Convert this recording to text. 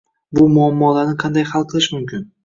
— Bu muammolarni qanday hal qilish mumkin?